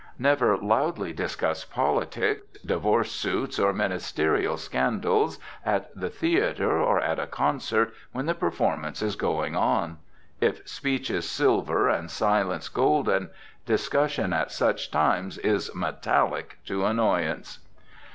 Never loudly discuss politics, divorce suits or ministerial scandals at the theater or at a concert when the performance is going on. If speech is silver and silence golden, discussion at such times is metallic to annoyance.